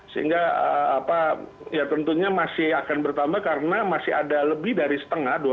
sehingga ya tentunya masih akan bertambah karena masih ada lebih dari setengah